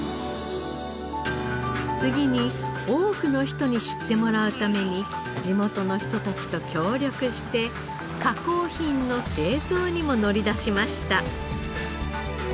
次に多くの人に知ってもらうために地元の人たちと協力して加工品の製造にも乗り出しました。